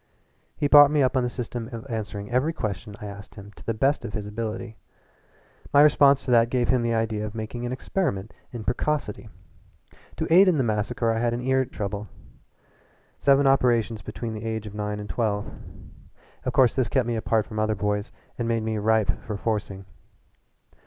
He brought me up on the system of answering every question I asked him to the best of his ability. My response to that gave him the idea of making an experiment in precocity. To aid in the massacre I had ear trouble seven operations between the age of nine and twelve. Of course this kept me apart from other boys and made me ripe for forcing.